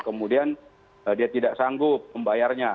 kemudian dia tidak sanggup membayarnya